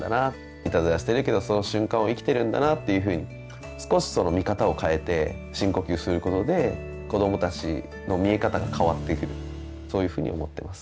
「いたずらしてるけどその瞬間を生きてるんだな」っていうふうに少しその見方を変えて深呼吸することで子どもたちの見え方が変わってくるそういうふうに思ってます。